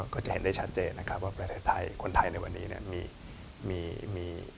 ก็จะเห็นได้ชัดเจนนะครับว่าประเทศไทยคนไทยในวันนี้เนี่ยมี